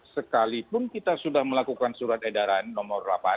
sekalipun kita sudah melakukan surat edaran nomor delapan